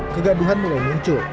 kegaduhan mulai muncul